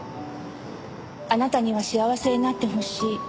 あなたには幸せになってほしい。